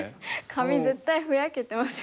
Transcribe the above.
紙絶対ふやけてますよね。